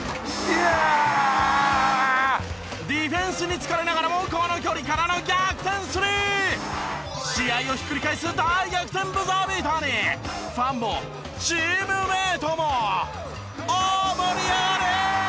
ディフェンスにつかれながらもこの距離からの逆転スリー！試合をひっくり返す大逆転ブザービーターにファンもチームメートも大盛り上がり！